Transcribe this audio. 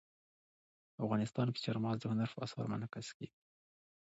افغانستان کې چار مغز د هنر په اثار کې منعکس کېږي.